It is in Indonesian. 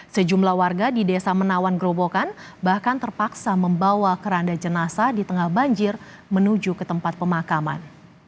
sejumlah warga di desa menawan gerobokan bahkan terpaksa membawa keranda jenazah di tengah banjir menuju ke tempat pemakaman